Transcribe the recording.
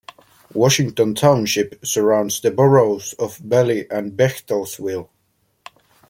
Washington Township surrounds the boroughs of Bally and Bechtelsville.